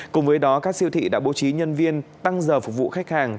cùng với đó các siêu thị đã bố trí nhân viên tăng giờ phục vụ khách hàng